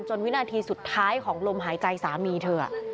วินาทีสุดท้ายของลมหายใจสามีเธอ